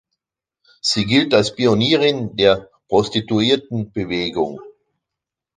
Sie gilt als Pionierin der Prostituierten-Bewegung.